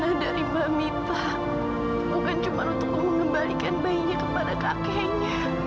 anak dari mbak mita bukan cuma untuk mengembalikan bayinya kepada kakeknya